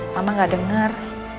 mama gak denger